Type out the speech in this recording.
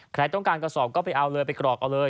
ใครต้องการกระสอบก็ไปเอาเลยไปกรอกเอาเลย